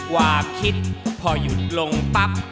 ความคิดพอหยุดลงปั๊บ